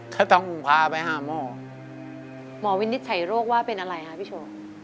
เขาต้องพาไปหาหมอหมอวินิจฉัยโรคว่าเป็นอะไรคะพี่โชว์